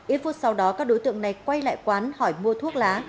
ít phút sau đó các đối tượng này quay lại quán hỏi mua thuốc lá